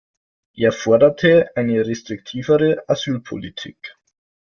Er forderte eine restriktivere Asylpolitik.